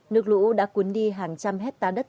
nước lũ đã cuốn đi hàng trăm hecta đất